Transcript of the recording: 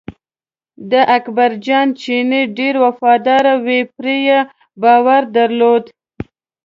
د اکبر جان چینی ډېر وفاداره و پرې یې باور درلود.